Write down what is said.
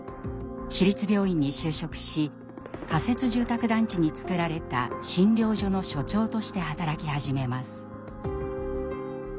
市立病院に就職し仮設住宅団地に作られた診療所の所長として働き始めます。